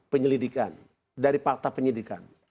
penyelidikan dari fakta penyelidikan